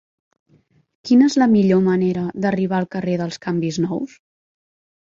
Quina és la millor manera d'arribar al carrer dels Canvis Nous?